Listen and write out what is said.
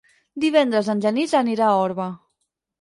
Divendres en Genís anirà a Orba.